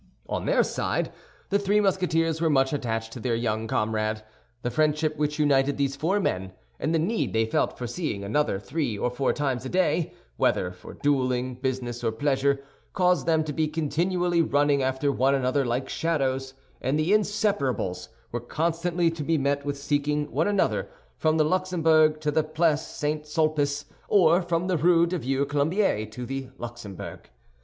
On their side, the three Musketeers were much attached to their young comrade. The friendship which united these four men, and the need they felt of seeing another three or four times a day, whether for dueling, business, or pleasure, caused them to be continually running after one another like shadows; and the Inseparables were constantly to be met with seeking one another, from the Luxembourg to the Place St. Sulpice, or from the Rue du Vieux Colombier to the Luxembourg.